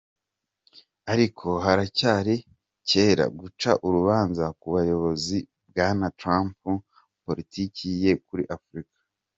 Ariko haracyari kare guca urubanza ku buyobozi bwa Trump na politiki ye kuri Afurika.”